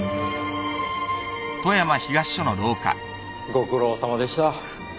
ご苦労さまでした。